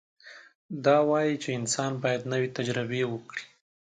دا وایي چې انسان باید نوې تجربې وکړي.